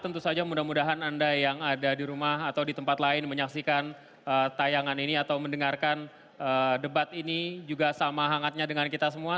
tentu saja mudah mudahan anda yang ada di rumah atau di tempat lain menyaksikan tayangan ini atau mendengarkan debat ini juga sama hangatnya dengan kita semua